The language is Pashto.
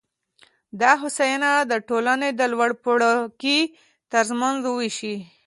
دا هوساینه د ټولنې د لوړپاړکي ترمنځ ووېشي.